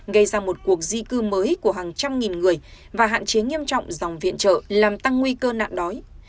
gây ra một cuộc di cư mới của hàng trăm nghìn người và hạn chế nghiêm trọng dòng viện trợ làm tăng nguy cơ nạn đói